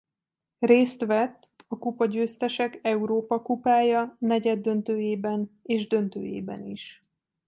Részt vett a Kupagyőztesek Európa-kupája negyeddöntőjében és döntőjében is.